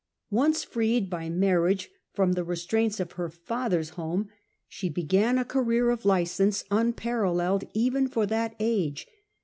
Once freed by marriage from the restraints „ of her father's home, she began a career of gance and license unparalleled even for that age.